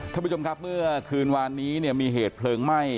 ท่านผู้ชมครับเมื่อคืนวานนี้เนี่ยมีเหตุเพลิงไหม้